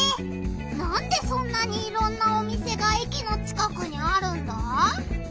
なんでそんなにいろんなお店が駅の近くにあるんだ？